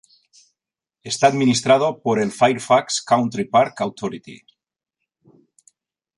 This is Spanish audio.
Está administrado por el "Fairfax County Park Authority".